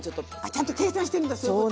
ちゃんと計算してるんだそういうこと。